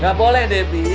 gak boleh debi